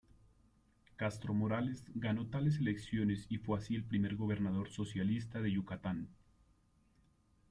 Castro Morales ganó tales elecciones y fue así el primer gobernador socialista de Yucatán.